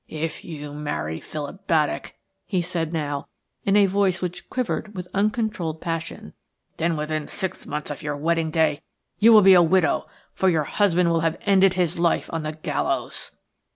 "If you marry Philip Baddock," he now said, in a voice which quivered with uncontrolled passion, "then within six months of your wedding day you will be a widow, for your husband will have ended his life on the gallows."